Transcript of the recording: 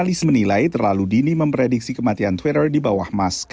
tapi analis menilai terlalu dini memprediksi kematian twitter di bawah musk